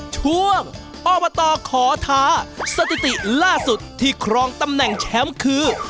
ช่วงอบตขอท้าสถิติล่าสุดที่ครองตำแหน่งแชมป์คือ